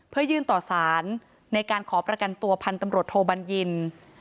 เพื่อยื่นต่อสารในการขอประกันตัวพันธุ์ตำรวจโทบัญญิน